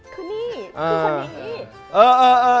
คือนี่คือคนนี้